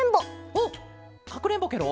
おっかくれんぼケロ？